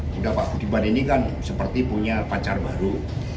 sudah pak budiman ini kan seperti punya pacar baru